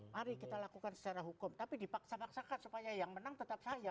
mari kita lakukan secara hukum tapi dipaksa paksakan supaya yang menang tetap saya